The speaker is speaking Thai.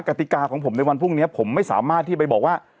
กติกาของผมในวันพรุ่งนี้ผมไม่สามารถที่ไปบอกว่า